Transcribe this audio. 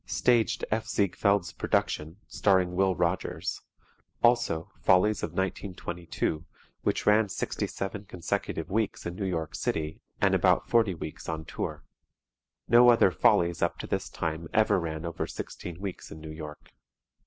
Staged F. Ziegfeld's production, starring Will Rogers, also "Follies of 1922," which ran 67 consecutive weeks in New York City and about 40 weeks on tour. No other "Follies" up to this time ever ran over 16 weeks in New York.